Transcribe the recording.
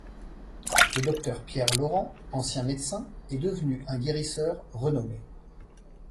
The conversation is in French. Le docteur Pierre Laurent, ancien médecin, est devenu un guérisseur renommé.